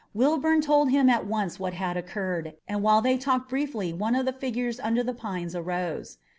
Wilbourn told him at once what had occurred, and while they talked briefly one of the figures under the pines arose.